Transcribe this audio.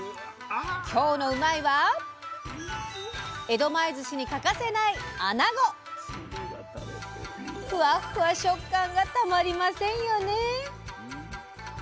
今日の「うまいッ！」は江戸前ずしに欠かせないふわっふわ食感がたまりませんよね。